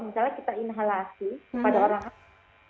misalnya kita inhalasi pada orang lain